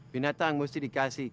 binatang mesti dikandang